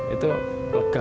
itu lega banget